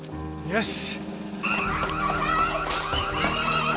よし。